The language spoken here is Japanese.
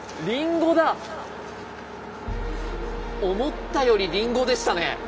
思ったよりリンゴでしたね。